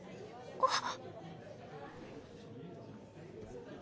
あっ。